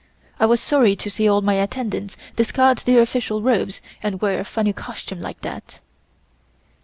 I was sorry to see all my attendants discard their official robes and wear a funny costume like that.